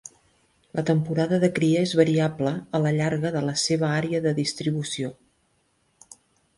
La temporada de cria és variable a la llarga de la seva àrea de distribució.